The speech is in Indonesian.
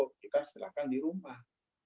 kita silakan di rumah